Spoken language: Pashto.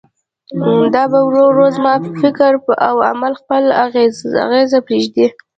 دا به ورو ورو زما پر فکر او عمل خپل اغېز پرېږدي.